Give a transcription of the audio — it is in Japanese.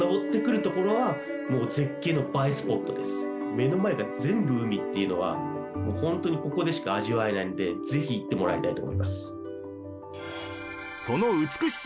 目の前が全部海っていうのはもうホントにここでしか味わえないんでぜひ行ってもらいたいと思います。